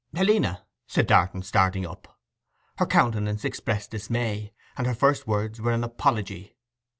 'Helena!' said Darton, starting up. Her countenance expressed dismay, and her first words were an apology.